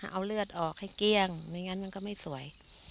เอาเลือดออกให้เกลี้ยงไม่งั้นมันก็ไม่สวย